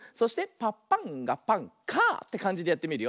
「パパンがパンカァ」ってかんじでやってみるよ。